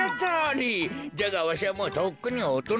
じゃがわしはもうとっくにおとなだからなあ。